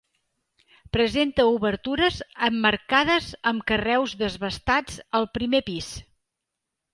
Presenta obertures emmarcades amb carreus desbastats al primer pis.